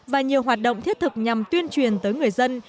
và nhiều hoạt động thiết thực nhằm tuyên truyền tới người dân